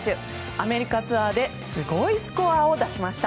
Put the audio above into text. アメリカツアーですごいスコアを出しました。